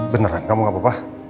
beneran kamu gak apa apa